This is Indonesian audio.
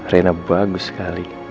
rena bagus sekali